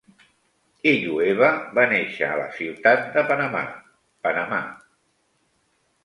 Illueva va néixer a la ciutat de Panamà, Panamà.